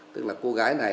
tức là cô gái này